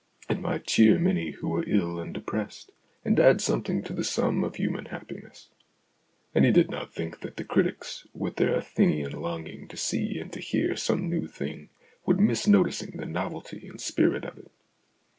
It might cheer many who were ill and depressed, and add something to the sum of human happiness. And he did not think that the critics, with their Athenian longing to see and to hear some new thing, would miss noticing the novelty and spirit of it.